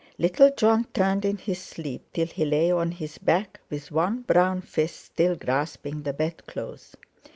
Little Jon turned in his sleep till he lay on his back, with one brown fist still grasping the bedclothes.